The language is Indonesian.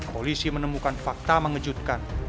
polisi menemukan fakta mengejutkan